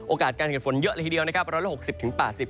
โอกาสการเกิดฝนเยอะเลยทีเดียวนะครับ